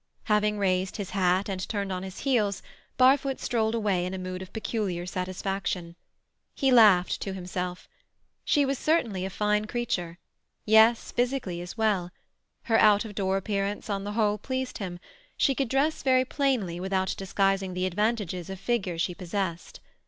Having raised his hat and turned on his heels, Barfoot strolled away in a mood of peculiar satisfaction. He laughed to himself. She was certainly a fine creature—yes, physically as well. Her out of door appearance on the whole pleased him; she could dress very plainly without disguising the advantages of figure she possessed.